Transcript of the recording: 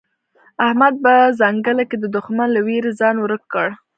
احمد په ځنګله کې د دوښمن له وېرې ځان ورک کړ.